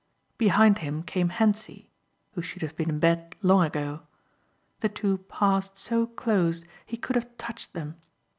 Behind him came Hentzi who should have been in bed long ago. The two passed so close he could have touched them.